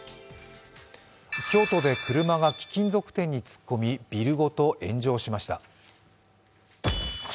京都で車が貴金属店に突っ込み、ビルごと炎上しました。